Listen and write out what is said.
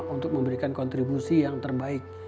untuk memberikan kontribusi yang terbaik